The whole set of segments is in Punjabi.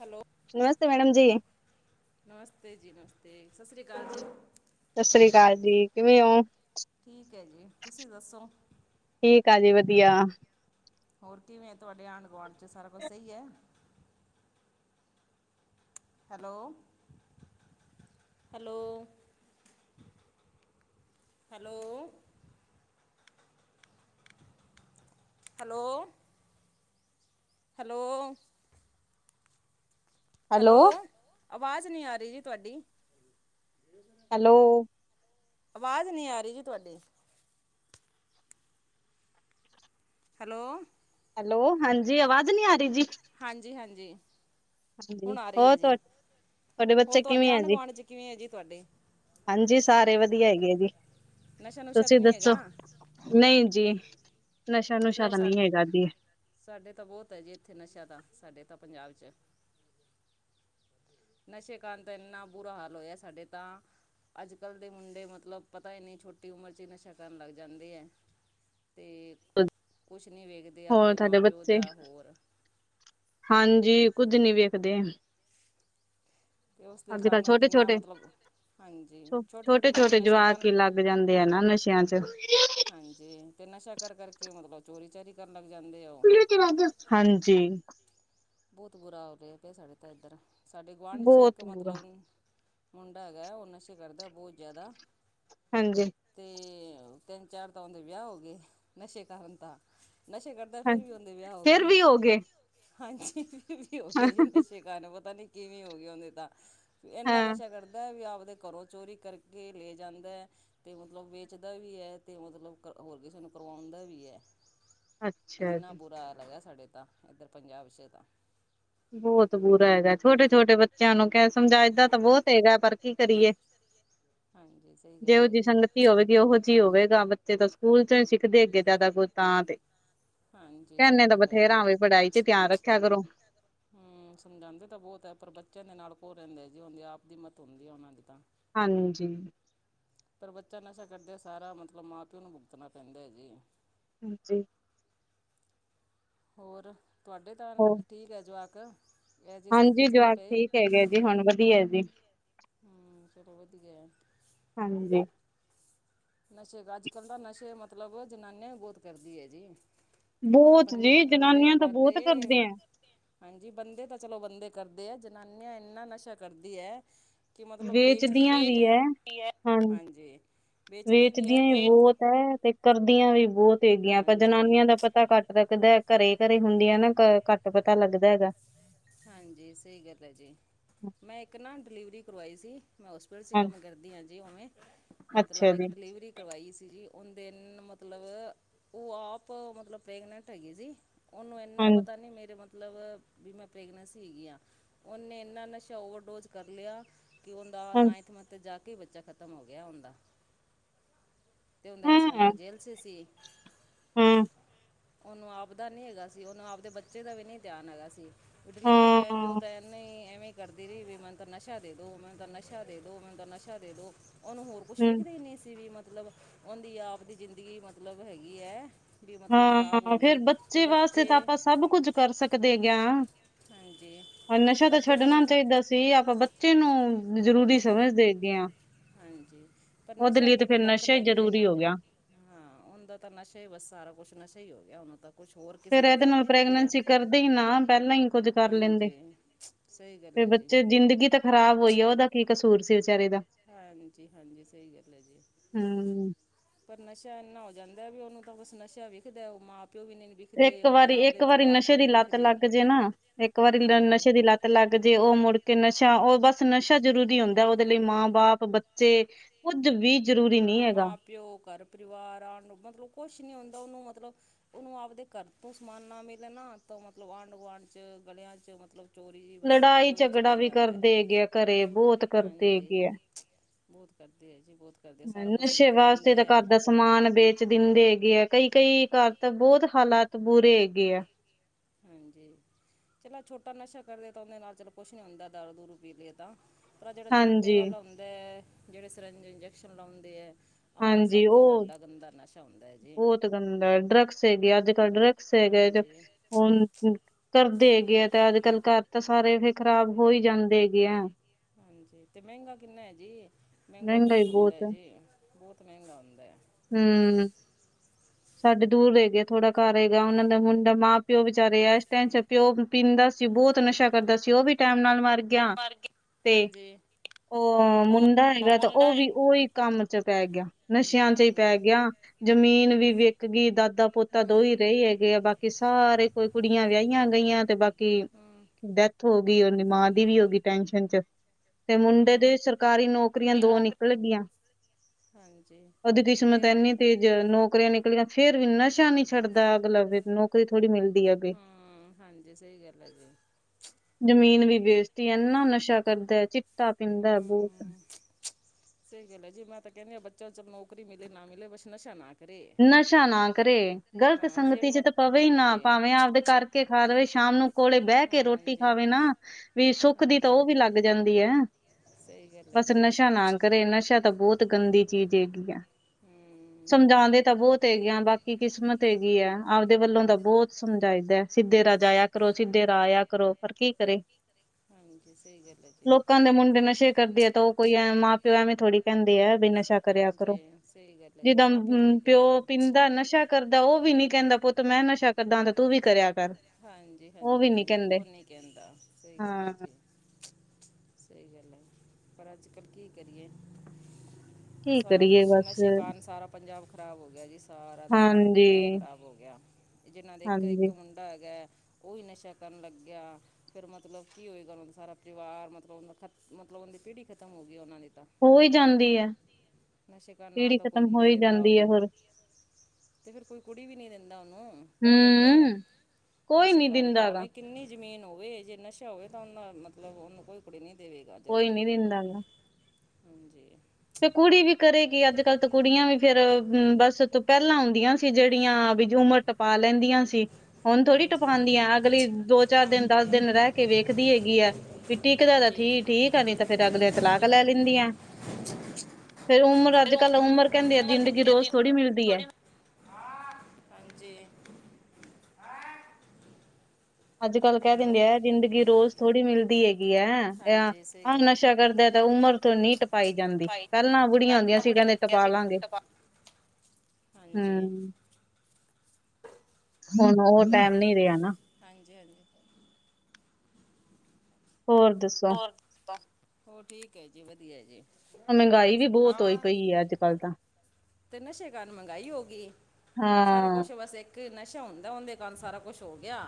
ਹੈਲੋ। ਨਮਸਤੇ ਮੈਡਮ ਜੀ। ਨਮਸਤੇ ਜੀ ਨਮਸਤੇ, ਸਤਿ ਸ਼੍ਰੀ ਅਕਾਲ ਸਤਿ ਜੀ। ਸ੍ਰੀ ਅਕਾਲ ਜੀ, ਕਿਵੇਂ ਹੋ? ਠੀਕ ਏ ਜੀ, ਤੁਸੀਂ ਦੱਸੋ? ਠੀਕ ਆ ਜੀ, ਵਧੀਆ। ਹੋਰ ਕਿਵੇਂ ਆ ਤੁਹਾਡੇ ਆਂਢ- ਗੁਆਂਢ ਚ, ਸਾਰਾ ਕੁਛ ਸਈ ਐ? Hello, hello. Hello. Hello. Hello. Hello. ਆਵਾਜ਼ ਨਈ ਆ ਰਈ ਜੀ ਤੁਹਾਡੀ? ਹੈਲੋ। ਆਵਾਜ਼ ਨਈ ਆ ਰਈ ਜੀ, ਤੁਹਾਡੀ- ਹੈਲੋ। ਹੈਲੋ ਹਾਂਜੀ, ਆਵਾਜ਼ ਨੀ ਆ ਰਈ ਜੀ। ਹਾਂਜੀ-ਹਾਂਜੀ। ਹਾਂਜੀ। ਹੋਰ ਤੁਹਾ ਤੁਹਾਡੇ ਹੋਰ, ਬੱਚੇ ਤੁਹਾਡੇ ਕਿਵੇਂ ਆ ਆਢ ਜੀ? ਗੁਆਂਢ ਚ ਕਿਵੇਂ ਐ ਜੀ ਤੁਹਾਡੇ ਹਾਂਜੀ। ਸਾਰੇ ਵਧੀਆ ਹੈਗੇ ਆ ਜੀ, ਨਸ਼ਾ ਨੁਸ਼ਾ ਤਾਂ ਤੁਸੀਂ ਨਹੀਂ ਹੈਗਾ ਦੱਸੋ? ਨਈ ਜੀ। ਨਸ਼ਾ ਨੁਸ਼ਾ ਤਾਂ ਨਹੀਂ [unintelligible] ਹੈਗਾ ਜੀ। ਸਾਡੇ ਤਾਂ ਬੋਤ ਆ ਜੀ, ਇੱਥੇ ਨਸ਼ਾ ਤਾਂ ਸਾਡੇ ਤਾਂ ਪੰਜਾਬ 'ਚ। ਨਸ਼ੇ ਕਰਨ ਤਾਂ, ਇੰਨਾ ਬੁਰਾ ਹਾਲ ਹੋਇਆ ਸਾਡੇ ਤਾਂ ਅੱਜ-ਕੱਲ੍ਹ ਦੇ ਮੁੰਡੇ ਮਤਲਬ ਪਤਾ ਈ ਨੀ, ਛੋਟੀ ਉਮਰ 'ਚ ਈ ਨਸ਼ਾ ਕਰਨ ਲੱਗ ਜਾਂਦੇ ਏੰ। ਤੇ ਕੁਛ ਨੀ ਵੇਖਦੇ। ਹੋਰ ਆਪਦੇ ਮਾਂ ਤੁਹਾਡੇ ਪਿਓ ਬੱਚੇ? ਦਾ ਹੋਰ ਹਾਂਜੀ, ਕੁੱਝ ਨੀ ਵੇਖਦੇ। ਅਤੇ ਉਸ ਦੇ ਅੱਜ-ਕੱਲ੍ਹ ਕਾਰਨ ਕਿੰਨਾ ਛੋਟੇ-ਛੋਟੇ, ਮਤਲਬ ਹਾਂਜੀ ਛੋਟੇ ਛੋਟੇ ਬੱਚੇ ਛੋਟੇ-ਛੋਟੇ ਨਸ਼ਾ ਜਵਾਕ ਈ ਕਰਨ ਲਾ ਲੱਗ ਜਾਂਦੇ ਆ ਨਾ, ਨਸ਼ਿਆਂ ਚ। ਹਾਂਜੀ ਤੇ ਨਸ਼ਾ ਕਰ ਕਰਕੇ, ਮਤਲਬ ਚੋਰੀ ਚਾਰੀ ਕਰਨ ਲੱਗ ਜਾਂਦੇ। ਉਹ ਹਾਂਜੀ। ਬਹੁਤ ਬੁਰਾ ਹਾਲ ਹੈ ਸਾਡੇ ਤਾਂ ਇੱਧਰ। ਸਾਡੇ ਗੁਆਂਢੀ 'ਚ ਇੱਕ ਬਹੁਤ ਬੁਰਾ, ਮਤਲਬ ਮੁੰਡਾ ਹੈਗਾ। ਉਹ ਨਸ਼ੇ ਕਰਦਾ ਬਹੁਤ ਜ਼ਿਆਦਾ। ਹਾਂਜੀ। ਤੇ ਤਿੰਨ ਚਾਰ ਤਾਂ ਉਹਂ ਦੇ ਵਿਆਹ ਹੋ ਗਏ। ਨਸ਼ੇ ਕਰਨ ਤਾਂ ਨਸ਼ੇ ਕਰ ਫਿਰ ਵੀ ਉਹਦੇ ਵਿਆਹ ਹੋ ਗਏ ਫੇਰ ਸੀ। ਵੀ ਗਏ, ਹਾਂਜੀ! ਵੀ ਹੋ ਗਿਆ ਜੀ ਨਸ਼ੇਕਾਰ ਨੂੰ ਪਤਾ ਨੀ ਕਿਵੇਂ ਹੋ ਗਿਆਏ ਉਹਦੇ ਤਾਂ ਇੰਨਾ ਹਾਂ ਨਸ਼ਾ ਕਰਦਾ, ਵੀ ਆਪਦੇ ਘਰੋਂ ਚੋਰੀ ਕਰਕੇ ਲੈ ਜਾਂਦਾ। ਤੇ ਮਤਲਬ ਵੇਚਦਾ ਵੀ ਹੈ ਤੇ ਮਤਲਬ ਹੋਰ ਕਿਸੇ ਨੂੰ ਕਰਵਾਉਣ ਦਾ ਵੀ ਹੈ। ਅੱਛਾ ਇਨਾ ਜੀ। ਬੁਰਾ ਲੱਗਦਾ ਸਾਡੇ ਤਾਂ ਇੱਧਰ ਪੰਜਾਬ ਚ ਤਾਂ ਬਹੁਤ ਬੁਰਾ ਹੈਗਾ। ਛੋਟੇ ਛੋਟੇ ਬੱਚਿਆਂ ਨੂੰ ਕ ਸਮਝਾਈਦਾ ਤਾਂ ਬਹੁਤ ਹੈਗਾ ਪਰ ਕੀ ਕਰੀਏ। ਹਾਂਜੀ! ਸਹੀ ਗੱਲ ਜਿਹੋ ਹੈ ਜਿਹੀ ਜੀ। ਸੰਗਤੀ ਹੋਵੇਗੀ ਉਹੋ ਜਿਹੀ ਹੋਵੇਗਾ। ਬੱਚੇ ਤਾਂ ਸਕੂਲ ਚ ਹੀ ਸਿੱਖਦੇ ਅੱਗੇ ਜਿਆਦਾ ਕੁਝ ਤਾਂ ਤੇ ਹਾਂਜੀ ਸਹੀ ਕਨੇ ਤਾਂ ਗੱਲ ਹੈ ਜੀ ਬਥੇਰਾ ਵੀ ਪੜਾਈ ਚ ਧਿਆਨ ਰੱਖਿਆ ਕਰੋ। ਹਮ ਸਮਝਾਉਂਦੇ ਤਾਂ ਬਹੁਤ ਹੈ। ਪਰ ਬੱਚਿਆਂ ਦੇ ਨਾਲ ਕੋ ਰਹਿੰਦੇ ਜਿ ਹੁੰਦੀ ਆ ਆਪ ਦੀ ਮਤ ਹੁੰਦੀ ਆ ਉਹਨਾਂ ਦੀ ਤਾਂ ਹਾਂਜੀ। ਪਰ ਬੱਚਾ ਨਸ਼ਾ ਕਰਦੇ ਸਾਰਾ, ਮਤਲਬ ਮਾਂ ਪਿਓ ਨੂੰ ਭੁਗਤਣਾ ਪੈਂਦਾ ਹੈ ਜੀ। ਜੀ ਹੋਰ ਤੁਹਾਡੇ ਤਾਂ ਹੋਰ ਠੀਕ ਹੈ ਜਵਾਕ ਇਹੋ ਜਿਹੇ ਸੰਗਤ ਹਾਂਜੀ 'ਚ ਨਹੀਂ ਜਵਾਕ ਪਏ ਠੀਕ ਹੈਗੇ ਜੀ ਹੁਣ ਵਧੀਆ ਜੀ ਹਮ ਚਲੋ ਵਧੀਆ ਹਾਂਜੀ ਨਸ਼ੇ ਅੱਜ ਕਲ ਤਾਂ ਨਸ਼ੇ, ਮਤਲਬ ਜਨਾਨੀਆਂ ਬਹੁਤ ਕਰਦੀ ਹ ਜੀ। ਬਹੁਤ ਬੰਦੇ ਤਾਂ ਜੀ ਕਰਦੇ ਆ ਜਨਾਨੀਆਂ ਤਾਂ ਪੜ੍ਹਦੇ ਬਹੁਤ ਕਰਦੇ ਐ ਹਾਂਜੀ ਬੰਦੇ ਤਾਂ ਚਲੋ ਬੰਦੇ ਕਰਦੇ, ਆ ਜਨਾਨੀਆਂ ਇੰਨਾ ਨਸ਼ਾ ਕਰਦੀ ਹੈ ਕਿ ਮਤਲਬ ਵੇਚਦੀ ਵੇਚਦੀਆਂ ਵੀ ਐ ਹੈ। ਹਾਂਜੀ! ਵੇਚਦੀ ਵੀ ਹੈ ਵੇਚਦੀਆਂ ਤੇ ਬਹੁਤ ਹੈ ਤੇ ਕਰਦੀਆਂ ਵੀ ਬਹੁਤ ਹੈਗੀਆਂ, ਪਰ ਜਨਾਨੀਆਂ ਹਾਂਜੀ ਦਾ ਪ ਪਤਾ ਘੱਟ ਲੱਗਦਾ। ਘਰੇ ਘਰੇ ਹੁੰਦੀ ਹੈ ਨਾ ਘੱਟ ਪਤਾ ਲੱਗਦਾ ਹੈਗਾ। ਹਾਂਜੀ! ਸਹੀ ਗੱਲ ਹੈ ਜੀ। ਮੈਂ ਇੱਕ ਨਾ ਡਿਲੀਵਰੀ ਕਰਵਾਈ ਸੀ ਮੈਂ ਉਸ ਹੋਸਪਿਟਲ ਚ ਹਾਂ ਕੰਮ ਕਰਦੀ ਹ ਜੀ ਉਵੇਂ ਮਤਲਬ ਅੱਛਾ ਇੱਕ ਜੀ ਡਿਲੀਵਰੀ ਕਰਵਾਈ ਸੀ ਜੀ। ਉਹ ਦਿਨ ਮਤਲਬ ਉਹ ਆਪ ਮਤਲਬ ਪ੍ਰੈਗਨੈਂਟ ਹੈਗੀ ਜੀ। ਉਹਨੂੰ ਹਾਂ ਇੰਨਾ ਪਤਾ ਨਹੀਂ, ਮੇਰੇ ਮਤਲਬ ਵੀ ਮੈਂ ਪ੍ਰੈਗਨੈਂਸ ਸੀਗੀਆਂ। ਉਹਨੇ ਇੰਨਾ ਨਸ਼ਾ ਓਵਰਡੋਜ ਕਰ ਲਿਆ ਕਿ ਹੁੰਦਾ ਹਾਂ ਨਾਈਨਥ ਮੰਥ ਜਾ ਕੇ ਹੀ, ਬੱਚਾ ਖਤਮ ਹੋ ਗਿਆ ਹਦਾ। ਤੇ ਉਸ ਦਾ ਹਾਂ ਹਸਬੈੰਡ ਤਾਂ ਜੇਲ ਚਸ ਸੀ ਹਮ ਉਹਨੂੰ ਆਪਦਾ ਨਹੀਂ ਹੈਗਾ ਸੀ ਉਹਨੂੰ ਆਪਦੇ ਬੱਚੇ ਦਾ ਵੀ ਨਹੀਂ ਧਿਆਨ ਹੈਗਾ ਸੀ ਡਿਲੀਵਰੀ ਟਾਈਮ ਵੀ ਹੋ ਤਾਂ ਨਹੀਂ ਐਵੇਂ ਕਰਦੀ ਰਹੀ ਵੀ ਮੈਨੂੰ ਨਸ਼ਾ ਦੇ ਦੋ ਮੈਨੂੰ ਤਾਂ ਨਸ਼ਾ ਦੇ ਦੋ ਮੈਨੂੰ ਤਾਂ ਨਸ਼ਾ ਦੇ ਦੋ ਉਹਨੂੰ ਹੋਰ ਕੁੱਛ ਹਮ, ਵਿਖਦੇ ਨੀ ਸੀ ਵੀ ਮਤਲਬ ਉਹਦੀ ਆਪ ਦੀ ਜ਼ਿੰਦਗੀ ਮਤਲਬ ਹੈਗੀ ਹੈ ਵੀ ਮਤਲਬ ਖਰਾਬ ਹਾਂ ਹੋ ਫੇਰ ਗਈ ਤੇ ਬੱਚੇ ਵਾਸਤੇ ਤਾਂ ਆਪਾਂ ਸਭ ਕੁਝ ਕਰ ਸਕ ਚੱਕ ਦੇ ਗਿਆ ਹਾਂਜੀ ਨਸ਼ਾ ਪਰ ਤਾਂ ਜਿਹੜਾ ਛੱਡਣਾ ਨ- ਚਾਹੀਦਾ ਸੀ ਆਪਾਂ ਬੱਚੇ ਨੂੰ ਜਰੂਰੀ ਹਮ, ਸਮਝ ਦੇਗੇ ਹਾਂ ਹਾਂਜੀ ਪਰ ਉਹਦੇ ਨਸ਼ਾ ਲਈ ਤਾਂ ਫਿਰ ਜਿਨੂੰ ਲੱਤ ਨਸ਼ਾ ਹੀ ਲੱਗ ਜੇ ਜ਼ਰੂਰੀ ਨਾ ਹੋ ਗਿਆ ਹਾਂ ਉਹਦਾ ਤਾਂ ਨਸ਼ਾ ਹੀ ਬਸ ਸਾਰਾ ਕੁਛ ਨਸ਼ਾ ਹੀ ਹੋ ਗਿਆ ਉਹਨੂੰ ਤਾਂ ਕੁਛ ਹੋਰ ਕਿਸੇ ਫਿਰ ਦਾ ਇਹਦੇ ਧਿਆਨ ਨਾਲ ਹੀ ਨੀ ਰਿਹਾ ਪ੍ਰੈਗਨੈਂਸੀ ਕਰਦੇ ਹੀ ਨਾ ਪਹਿਲਾਂ ਹੀ ਕੁਝ ਕਰ ਲੈਂਦੇ ਹਾਂਜੀ ਸਹੀ ਗੱਲ ਫੇਰ ਹੈ ਜੀ ਬੱਚੇ ਜ਼ਿੰਦਗੀ ਤਾਂ ਖ਼ਰਾਬ ਹੋਈ ਆ ਉਹਦਾ ਕੀ ਕਸੂਰ ਸੀ ਵਿਚਾਰੇ ਦਾ ਹਾਂਜੀ-ਹਾਂਜੀ ਸਹੀ ਗੱਲ ਹੈ ਜੀ ਹੂੰ। ਪਰ ਨਸ਼ਾ ਇੰਨਾ ਹੋ ਜਾਂਦਾ ਵੀ ਉਹਨੂੰ ਤਾਂ ਬਸ ਨਸ਼ਾ ਵਿੇਖਦਾ ਉਹ ਮਾਂ ਪਿਓ ਵੀ ਨਹੀਂ ਵਿਖਦੇ ਇੱਕ ਉਹਦੇ ਵਾਰੀ ਆਪਦੇ ਇੱਕ ਵਾਰੀ ਜਵਾਕ ਨਸ਼ੇ ਦੀ ਨਹੀਂ ਲੱਤ ਵਿਖਦੇ ਲੱਗ ਜੇ ਨਾ ਇੱਕ ਵਾਰੀ ਹਾਂਜੀ ਨਸ਼ੇ ਦੀ ਲੱਤ ਲੱਗ ਜੇ ਉਹ ਮੁੜ ਕੇ ਨਸ਼ਾ ਉਹ ਬਸ ਨਸ਼ਾ ਜ਼ਰੂਰੀ ਹੁੰਦਾ ਉਹਦੇ ਲਈ ਮਾਂ ਬਾਪ ਬੱਚੇ ਕੁੱਝ ਵੀ ਜ਼ਰੂਰੀ ਨਹੀਂ ਹਾਂ ਹੈਗਾ। ਮਾਂ ਪਿਓ ਘਰ ਪਰਿਵਾਰ ਆਉਣ ਮਤਲਬ ਕੁਛ ਨੀ ਹੁੰਂਦਾ ਉਹਨੂੰ ਮਤਲਬ ਉਹਨੂੰ ਆਪਦੇ ਘਰ ਤੋਂ ਸਮਾਨ ਨਾ ਮਿਲੇ ਣਾ ਤਾਂ ਮਤਲਬ ਆਂਢ ਗੁਆਂਢ ਚ ਗਲਿਆਂ ਚ ਮਤਲਬ ਚੋਰੀ ਬਸ ਲੜਾਈ ਚੋਰੀ ਚ ਝਗੜਾ ਪੈ ਵੀ ਜਾਂਦਾ ਕਰਦੇ ਹੈਗੇ ਆ ਘਰੇ ਬਹੁਤ ਕਰਦੇ ਹਾਂਜੀ ਹੈਗੇ ਆ। ਬਹੁਤ ਕਰਦੇ ਆ ਜੀ ਬਹੁਤ ਕਰ ਨਸ਼ੇ ਵਾਸਤੇ ਤਾਂ ਘਰ ਦਾ ਸਮ ਸਮਾਨ ਵੇਚ ਦਿੰਦੇ ਹੈਗੇ ਆ ਕਈ-ਕਈ ਘਰ ਤਾਂ ਬਹੁਤ ਹਾਲਾਤ ਬੁਰੇ ਹੈਗੇ ਆ ਹਾਂਜੀ ਚਲਾ ਛੋਟਾ ਨਸ਼ਾ ਕਰਦੇ ਤਾਂ ਉਹਦੇ ਨਾਲ ਚਲੋ ਕੁੱਛ ਨੀ ਹੁੰਦਾ ਦਾਰੂ ਦੂਰੂ ਪੀ ਲਈਏ ਤਾਂ ਤ੍ਹਾਂ ਜਿਹੜਾ ਚਿੱਟੇ ਵੱਲ ਹਾਂਜੀ-ਹਾਂਜੀ ਹੁੰਦਾ ਹੈ ਜਿਹੜੇ ਸਰੰਜ ਇੰਜੈਕਸ਼ਨ ਲਾਉਂਦੇ ਹੈ ਆਹ ਸਭ ਤੋਂ ਉਹ ਵੱਡਾ ਗੰਦਾ ਨਸ਼ਾ ਹੁੰਦਾ ਹੈ ਜੀ ਬਹੁਤ ਗੰਦਾ ਡਰੱਗਸ ਹੈਗੇ ਅੱਜ ਕੱਲ੍ਹ ਡਰੱਗਸ ਹੈਗੇ ਹਾਂਜੀ ਹੁ ਕਰਦੇ ਹੈਗੇ ਆ ਤੇ ਅੱਜ ਕੱਲ੍ਹ ਘਰ ਤਾਂ ਸਾਰੇ ਫ ਖ਼ਰਾਬ ਹੋ ਹੀ ਜਾਂਦੇ ਹੈਗੇ ਆ ਹਾਂਜੀ ਤੇ ਮਹਿੰਗਾ ਕਿੰਨਾ ਹੈ ਜੀ ਮਹਿੰਗਾ ਮਹਿੰਗਾਈ ਬਹੁਤ ਹੁੰਦਾ ਹੈ ਜੀ ਬਹੁਤ ਮਹਿੰਗਾ ਹੁੰਦਾ ਆ ਹੂੰ, ਸਾਡੇ ਦੂਰ ਰਹੇ ਗ ਥੋੜਾ ਘਰ ਰਹੇਗਾ, ਉਹਨਾਂ ਦਾ ਮੁੰਡਾ ਮਾਂ ਪਿਓ ਬ ਵਿਚਾਰੇ ਆ ਇਸ ਟਾਈਮ ਚ ਪਿਓ। ਪੀਂਦਾ ਸੀ ਬਹੁਤ ਨਸ਼ਾ ਕਰਦਾ ਸੀ, ਉਹ ਵੀ ਟਾਈਮ ਨਾਲ ਮਾਰ ਗਿਆ ਤੇ ਹਾਂਜੀ ਉਹ ਮੁੰਡਾ ਹੈਗਾ ਤਾਂ ਉਹ ਵੀ ਉਹੀ ਕੰਮ ਚ ਪੈ ਗਿਆ ਨਸ਼ਿਆਂ ਚ ਹੀ ਹਾਂਜੀ ਪੈ ਗਿਆ, ਜ਼ਮੀਨ ਵੀ ਵਿਕ ਗਈ ਦਾ ਦਾ ਪੋਤਾ ਦੋ ਹੂੰ ਹੀ ਰਹੇ ਹੈਗੇ ਆ ਬਾਕੀ ਸਾਰੇ ਕੋਈ ਕੁੜੀਆਂ ਵਿਆਹੀਆਂ ਗਈਆਂ ਤੇ ਬਾਕੀ ਹੂੰ ਡੈਥ ਹੋ ਗਈ ਓਦੀ ਮਾਂ ਦੀ ਵੀ ਹੋ ਗਈ ਟੈਂਨਸ਼ਨ ਚ ਤੇ ਹੂੰ ਮੁੰਡੇ ਦੇ ਹੂੰ ਸਰਕਾਰੀ ਨੌਕਰੀਆਂ ਦੋ ਨਿਕਲਗੀਆਂ ਹਾਂਜੀ ਅਦੀ ਕਿਸਮਤ ਫਿਰ ਐਨੀ ਤੇਜ ਨੌਕਰੀਆਂ ਨਿਕਲੀਆਂ ਫੇਰ ਵੀ ਨਸ਼ਾ ਨੀ ਛੱਡਦਾ ਅਗਲਾ ਫੇ ਨੌਕਰੀ ਥੋੜੀ ਮਿਲਦੀ ਹੈ ਅੱਗੇ ਹਾਂ ਹਾਂਜੀ ਸਹੀ ਗੱਲ ਹੈ ਜੀ ਜ਼ਮੀਨ ਵੀ ਬੇਚਤੀ ਇਨਾ ਨਸ਼ਾ ਕਰਦਾ ਚਿੱਟਾ ਪੀਂਦਾ ਬਹੁਤ ਹੂੰ ਸਹੀ ਗੱਲ ਹੈ ਜੀ ਮੈਂ ਤਾਂ ਕਹਿੰਦੀ ਹਾਂ ਬੱਚਾ ਚਲ ਨੌਕਰੀ ਮਿਲੇ ਨਾ ਮਿਲੇ ਬਸ ਨਸ਼ਾ ਨਾ ਕਰੇ। ਨਸ਼ਾ ਨਾ ਕਰੇ ਗ਼ਲਤ ਹਾਂ ਜਿਹੜੇ ਸੰਗਤੀ ਚ ਮ ਤਾਂ ਪਵੇ ਹੀ ਨਾ ਹਾਂਜੀ। ਭਾਵੇਂ ਆਪਦੇ ਘਰ ਕੇ ਖਾ ਦੇਵੇ ਸ਼ਾਮ ਨੂੰ ਕੋਲੇ ਬਹਿ ਕੇ ਰੋਟੀ ਹਾਂਜੀ ਖਾਵੇ ਨਾ ਵੀ ਸੁੱਖ ਦੀ ਤਾਂ ਹਾਂਜੀ ਉਹ ਵੀ ਲੱਗ ਜਾਂਦੀ ਹੈ ਸਹੀ ਗੱਲ ਹੈ ਬਸ ਜੀ ਨਸ਼ਾ ਨਾ ਕਰੇ ਨਸ਼ਾ ਤਾਂ ਬਹੁਤ ਗੰਦੀ ਚੀਜ਼ ਹੈਗੀ, ਆ ਹੂੰ। ਸਮਝਾਉਂਦੇ। ਤਾਂ ਬਹੁਤ ਹੈਗੀਆਂ ਬਾਕੀ ਕਿਸਮਤ ਹੈਗੀ, ਆ ਆਪਦੇ ਵੱਲੋਂ ਤਾਂ ਬਹੁਤ ਸਮਝਾਈਦਾ ਸਿੱਧੇ ਰਾ ਜਾਇਆ। ਕਰੋ ਸਿਧੇ ਰਾ ਆਇਆ ਕਰੋ, ਪਰ ਕੀ ਕਰੇ,। ਹਾਂਜੀ ਸਹੀ ਗੱਲ ਹੈ ਜੀ ਲੋਕਾਂ ਦੇ ਮੁੰਡੇ ਨਸ਼ੇ ਕਰਦੀ ਐ। ਤਾਂ ਉਹ ਕੋਈ ਐ ਮਾਂ ਪਿਓ ਐਵੇਂ ਥੋੜ੍ਹੀ ਕਹਿੰਦੇ ਹੈ ਵੀ ਨਸ਼ਾ ਕਰਿਆ ਹਾਂਜੀ ਕਰੋ ਸਹੀ ਗੱਲ ਹੈ ਜੀ, ਮਾਂ ਪਿਓ ਥੋੜ੍ਹੇ ਕਹਿੰਦੇ ਆ। ਪੀਦਾ ਨਸ਼ਾ ਕਰਦਾ ਉਹ ਵੀ ਨੀ ਕਹਿੰਦਾ ਪੁੱਤ ਮੈਂ ਨਸ਼ਾ ਕਰਦਾ ਤੂੰ ਵੀ ਕਰਿਆ। ਕਰ ਹਾਂਜੀ ਉਹ ਵੀ ਹਾਂਜੀ ਨਹੀਂ ਕਹਿੰਦੇ ਉਹ ਨੀ ਕਹਿੰਦਾ ਸਹੀ ਗੱਲ ਹੈ ਹਾਂ ਜੀ। ਸਹੀ ਗੱਲ ਹੈ ਪਰ ਅਜ ਕੱਲ੍ਹ ਕੀ ਕਰੀਏ। ਕੀ ਸਾਰਾ ਕਰੀਏ ਕੁਛ ਬਸ ਨਸ਼ੇ ਕਾਰ ਸਾਰਾ। ਪੰਜਾਬ ਖ਼ਰਾਬ ਹੋ ਗਿਆ ਜੀ ਸਾਰਾ ਦਾ ਸਾਰਾ ਹਾਂਜੀ ਪੰਜਾਬ ਖਰਾਬ ਹੋ ਗਿਆ ਜਿਹਨਾਂ ਦੇ ਇੱਕ ਹਾਂਜੀ ਇੱਕ ਮੁੰਡ ੜਾ ਹੈ ਗ ਉਹੀ ਨਸ਼ਾ ਕਰਨ ਲੱਗ ਗਿਆ। ਫੇਰ ਮਤਲਬ ਕੀ ਹੋਏਗਾ, ਉਹ ਦਾ ਸਾਰਾ ਪਰਿਵਾਰ ਮਤਲਬਤ ਮਤਲਬ ਉਹ ਦੀ ਪੀੜ੍ਹੀ ਖਤਮ ਹੋ ਗਈ ਉਹਨਾਂ ਦੀ ਤਾਂ,। ਹੋ ਹੀ ਜਾਂਦੀ ਹੈ ਨਸ਼ੇ ਕਾਰਨ ਨਾ ਪੀੜੀ ਤਾਂ ਕੋਈ ਖਤਮ ਹੋ ਕੁੜੀ ਹੀ ਦਿੰਦਾ ਜਾਂਦੀ ਹੈ ਉਹਨੂੰ ਹੋਰ ਅਤੇ ਫਿਰ ਕੋਈ ਕੁੜੀ ਵੀ ਨਹੀਂ ਦਿੰਦਾ ਉਹਨੂੰ ਕੌਣ ਦਿੰਦੇ। ਹੂੰ ਕੋਈ ਨਸ਼ੇ ਨਹੀਂ ਕਾਰਨ, ਦਿੰਦਾਗਾ ਭਾਵੇਂ ਕਿੰਨੀ ਜ਼ਮੀਨ ਹੋਵੇ, ਜੇ ਨਸ਼ਾ ਹੋਵੇ ਤਾਂ ਉਹਨਾ, ਮਤਲਬ ਉਹਨੂੰ ਕੋਈ ਕੁ ਕੁੜੀ ਨਹੀਂ ਦੇਵੇਗਾ ਕੋਈ ਜਲਦੀ, ਨਹੀਂ ਦਿੰਦਾਗਾ ਹਾਂਜੀ, ਤੇ ਕੁੜੀ ਵੀ ਕਰੇਗੀ, ਅੱਜ-ਕੱਲ ਤਾਂ ਕੁੜੀਆਂ ਵੀ ਫੇਰ ਬੱਸ ਤੋਂ ਪਹਿਲਾਂ ਆਉਂਦੀਆਂ ਸੀ ਜਿਹੜੀਆਂ ਵੀ ਉਮਰ ਟਪਾ ਲੈਂਦੀਆਂ ਸੀ। ਹੁਣ ਥੋੜ੍ਹੀ ਹਾਂਜੀ ਟਪਾਉਂਦੀਆਂ, ਅਗਲੀ ਦੋ ਚਾਰ ਦਿਨ ਹਾਂਜੀ ਦਸ ਦਿਨ ਰਹਿ ਕੇ ਵੇਖਦੀ ਹੈਗੀ ਆ। ਵੀ ਟਿਕ ਜਾਏ ਤਾਂ ਹਾਂਜੀ ਠੀ ਠੀਕ ਐ, ਨੀ ਤੇ ਫੇਰ ਅਗਲੀਆਂ ਤਲਾਕ ਜੀ ਲੈ ਹਾਂਜੀ ਲੈਂਦੀਆਂ। [unintelligible] ਫੇਰ ਉਮਰ, ਅੱਜ-ਕੱਲ ਉਮਰ ਕਹਿੰਦੀ ਆ, ਜ਼ਿੰਦਗੀ ਰੋਜ਼ ਥੋੜ੍ਹੀ ਮਿਲਦੀ ਹੈ। ਹਾਂ ਹਾਂਜੀ, [unintelligible] ਅੱਜ-ਕੱਲ ਕਹਿ ਹੈਲੋ ਦਿੰਦੇ ਆ ਜ਼ਿੰਦਗੀ ਰੋਜ਼ ਥੋੜ੍ਹੀ ਮਿਲਦੀ ਹੈਗੀ ਹੈ, ਹਾਂਜੀ ਸਹੀ ਆਹ ਗੱਲ ਹੈ ਜੀ ਨਸ਼ਾ ਕਰਦਾ ਤਾਂ ਉਮਰ ਉਥੋਂ ਨੀ ਟਪਾਈ ਜਾਂਦੀ, ਪਹਿਲਾਂ ਬੁੜੀਆਂ ਹੁੰਦੀਆਂ ਸੀ, ਕਹਿੰਦੇ ਟਪਾ ਲਾਂਗੇ। ਹਾਂਜੀ, ਹਮ ਹੁਣ ਉਹ ਹੈਲੋ ਟੈਮ ਨੀ ਰਿਹਾ ਨਾ, ਹਾਂਜੀ ਹਾਂਜੀ, ਹੋਰ ਦੱਸੋ? ਹੋਰ ਹੋਰ ਠੀਕ ਹੈ ਜੀ, ਵਧੀਆ ਜੀ। ਹੋਰ ਮਹਿੰਗਾਈ ਤਾਂ ਵੀ ਸਾਰਾ ਕੁਛ ਬਹੁਤ ਹੋਈ ਪਈ ਹੈ ਅੱਜ-ਕੱਲ੍ਹ ਤਾਂ, ਅਤੇ ਨਸ਼ੇ ਕਾਰਨ ਮੰਗਾਈ ਹੋ ਗਈ, ਸਾਰਾ ਹਾਂ ਕੁਛ ਬਸ ਇੱਕ ਇੱਕ ਨਸ਼ਾ ਹੁੰਦਾ ਉਹਦੇ ਕਾਰਨ ਸਾਰਾ ਕੁਛ ਹੋ ਗਿਆ,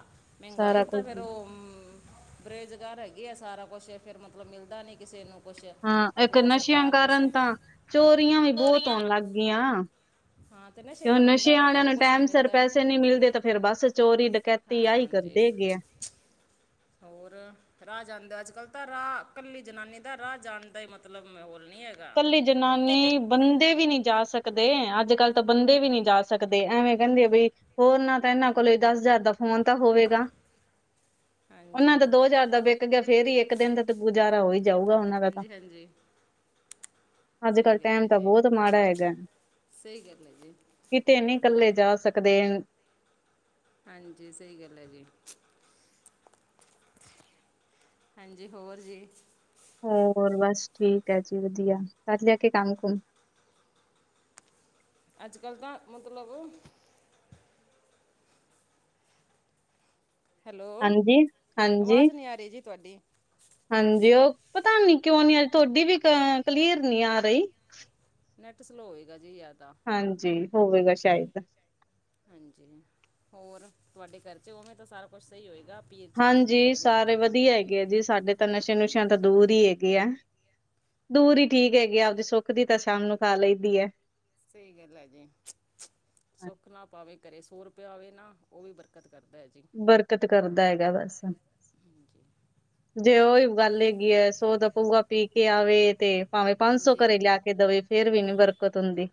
ਮਹਿੰਗਾਈ ਸਾਰਾ ਤਾਂ ਕੁਝ ਫੇਰ ਹੀ। ਉਹ ਬੇਰੁਜ਼ਗਾਰ ਹੈਗੇ ਆ, ਸਾਰਾ ਕੁਛ ਫੇਰ ਮਤਲਬ ਮਿਲਦਾ ਨੀ ਕਿਸੇ ਨੂੰ ਕੁਛ ਹਾਂ ਤੇ ਇੱਕ ਫਿਰ ਨਸ਼ਿਆਂ ਸਰਕਾਰ ਬਸ ਕਾਰਨ ਤਾਂ, ਚੋਰੀਆਂ ਵੀ ਬਹੁਤ ਆਣ ਲੱਗ ਗਈਆਂ। ਹਾਂ ਨਸ਼ੇ ਤੇ ਹ ਕਾਰਨ ਹੁੰਦਾ ਨਸ਼ਿਆਂ ਉਹਨੂੰ ਵਾਲਿਆਂ ਘਰੋਂ ਨੂੰ ਕੁਛ ਟਾਈਮ ਨਹੀਂ ਸਿਰ ਮਿਲਦਾ ਪੈਸੇ ਨੀ ਮਿਲਦੇ, ਤੇ ਫੇਰ ਬਸ ਚੋਰੀ ਡਕੈਟ ਤੇ ਆਹੀ ਹਾਂ ਜੀ ਕਰਦੇ ਹੈਗੇ ਆ। ਹੋਰ? ਰਾਹ ਜਾਂਦਾ, ਅੱਜ-ਕੱਲ੍ਹ ਤਾਂ ਰਾਹ ਕੱਲੀ ਜਨਾਨੀ ਦਾ ਰਾਹ ਜਾਣ ਦਾ ਹੀ, ਮਤਲਬ ਮਾਹੌਲ ਨਹੀਂ ਹੈਗਾ। ਕੱਲੀ ਜਨਾਨੀ, ਬੰਦੇ ਵੀ ਨਹੀਂ ਜਾ ਸਕਦੇ, ਅੱਜ ਕੱਲ ਤਾਂ ਬੰਦੇ ਵੀ ਨਹੀਂ ਜਾ ਸਕਦੇ। ਸਕਦੇ, ਐਵੇਂ ਕਹਿੰਦੇ ਆ ਹੋਰ ਨਾ ਤਾਂ, ਇਹਨਾਂ ਕੋਲ ਦਸ ਹਜ਼ਾਰ ਦਾ, ਫੋਣ ਤਾਂ ਹੋਵੇਗਾ, ਉਹਨਾਂ ਹਾਂਜੀ ਦਾ ਦੋ ਹਜ਼ਾਰ ਦਾ, ਗਿਆ, ਫੇਰ ਹੀ ਇੱਕ ਦਿਨ ਦਾ ਗੁਜ਼ਾਰਾ ਹੋ ਹੀ ਜਾਊਗਾ, ਉਹਨਾਂ ਦਾ ਤਾਂ ਹਾਂਜੀ ਹਾਂਜੀ, ਸਹੀ ਅੱਜ-ਕਲ੍ਹ ਗੱਲ ਟਾਈਮ ਹੈ ਤਾਂ ਜੀ ਬਹੁਤ ਮਾੜਾ ਹੈਗਾ। ਸਹੀ ਗੱਲ ਹੈ ਜੀ ਕਿਤੇ ਨੀ ਇਕੱਲੇ ਜਾ ਸਕਦੇ। ਹਾਂਜੀ ਸਹੀ ਗੱਲ ਹੈ ਜੀ। ਹਾਂਜੀ ਹੋਰ ਜੀ। ਹੋਰ ਬਸ ਠੀਕ ਹੈ ਜੀ, ਵਧੀਆ ਕਰ ਲਿਆ ਕੇ ਕੰਮ ਕੁਮ ਅੱਜ ਕੱਲ੍ਹ ਤਾਂ, ਮਤਲਬ ਹੈਲੋ, ਹਾਂਜੀ ਹਾਂਜੀ ਆਵਾਜ਼ ਨਹੀਂ ਆ ਰਹੀ ਜੀ ਤੁਹਾਡੀ। ਹਾਂਜੀ, ਉਹ ਪਤਾ ਨੀ ਕਿਉਂ ਨੀ, ਅਜ ਤੁਹਾਡੀ ਵੀ ਅ ਕਲੀਅਰ ਨੀ ਆ ਰਹੀ। ਨੈੱਟ ਸਲੋ ਹੋਏਗਾ ਜੀ, ਯਾ ਤਾਂ ਹਾਂਜੀ ਹੋਵੇਗਾ ਸ਼ਾਇਦ। ਹਾਂਜੀ ਹੋਰ ਤੁਹਾਡੇ ਖਰਚੇ, ਉਵੇਂ ਤਾਂ ਸਾਰਾ ਕੁਛ ਸਹੀ ਹੋਏਗਾ। ਪੀਹਰ ਚ, ਮਤਲਬ ਹਾਂਜੀ ਤੁਹਾਡੇ ਮੈਕੇ ਸਾਰੇ ਚ ਵਧੀਆ ਹੈਗੇ ਆ ਜੀ, ਸਾਡੇ ਤਾਂ ਨਸ਼ੇ ਨੁਸ਼ਿਆਂ ਤਾਂ ਦੂਰ ਹੀ ਹੈਗੇ ਆ। ਦੂਰ ਹੀ ਠੀਕ ਹੈਗੀ ਆ, ਆਪਦੀ ਸੁੱਖ ਦੀ ਤਾਂ ਸ਼ਾਮ ਨੂੰ ਖਾ ਲਈ ਦੀ ਹੈ। ਸਹੀ ਗੱਲ ਹੈ ਜੀ। ਸੁੱਖ ਨਾਲ ਭਾਵੇ ਘਰੇ ਸੋ ਰੁਪਇਆ ਆਵੇ ਨਾ, ਉਹ ਵੀ ਬਰਕਤ ਕਰਦਾ। ਜੀ ਬਰਕਤ ਕਰਦਾ ਹੈਗਾ, ਬਸ। ਹਾਂਜੀ ਜੇ ਉਹੀ ਗੱਲ ਹੈਗੀ ਹੈ, ਸੋ ਦਾ ਪਵਉਆ ਪੀ ਕੇ ਆਵੇ ਤੇ ਭਾਵੇਂ ਪੰਜ ਸੌ ਹਾਂਜੀ ਘਰੇ ਲਿਆ ਕੇ ਦਵੇ, ਫੇਰ ਵੀ ਨੀ ਬਰਕਤ ਹੁੰਦੀ।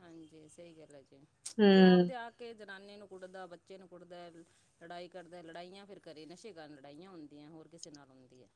ਹਾਂਜੀ ਸਈ ਗਾੱਲ ਐ ਜੀ, ਤੇ ਹਮ ਆਪਦੇ ਆ ਕੇ ਜਨਾਨੀ ਨੂੰ ਕੁੱਟਦਾ, ਬੱਚੇ ਨੂੰ ਕੁੱਟਦੈ ਲੜਾਈ ਕਰਦੈ, ਲੜਾਈਆਂ ਫੇਰ ਕਰੇ ਨਸ਼ੇ ਕਾਰ ਲੜਾਈਆਂ ਹੁੰਦੀਐ ਹੋਰ ਕਿਸੇ ਨਾਲ ਹੁੰਦੀ ਐ।